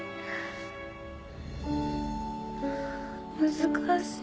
難しい。